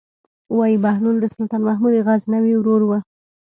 وايي بهلول د سلطان محمود غزنوي ورور و.